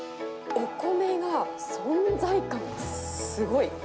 お米が存在感、すごい。